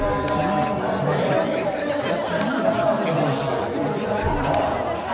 さあ、こちら用意していただきました武蔵野うどん、じゃあ見せていただいていいですか。